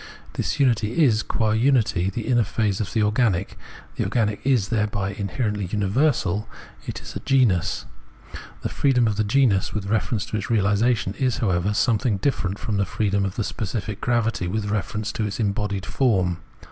This unity is qua unity the inner phase of the organic ; the organic is thereby inherently universal, it is a genus. The freedom of the genus with reference to its reaUsation is, however, something different from the freedom of specific gravity with reference to embodied form.